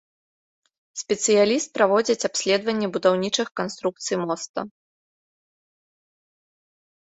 Спецыяліст праводзяць абследаванне будаўнічых канструкцый моста.